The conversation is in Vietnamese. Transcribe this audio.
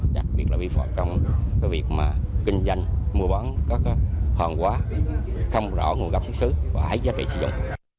đặc biệt là vi phạm trong việc mà kinh doanh mua bán có hòn quá không rõ nguồn gốc xuất xứ và hết giá trị sử dụng